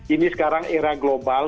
ini sekarang era global